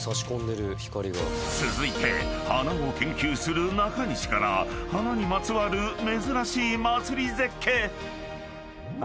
［続いて花を研究する中西から花にまつわる珍しい祭り絶景！］